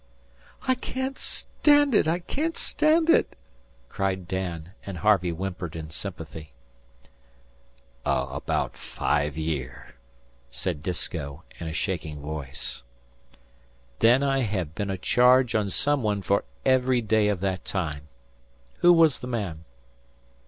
"I can't stand it! I can't stand it!" cried Dan, and Harvey whimpered in sympathy. "Abaout five year," said Disko, in a shaking voice. "Then I have been a charge on some one for every day of that time. Who was the man?"